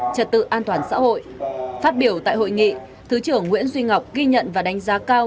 trật tự an toàn xã hội phát biểu tại hội nghị thứ trưởng nguyễn duy ngọc ghi nhận và đánh giá cao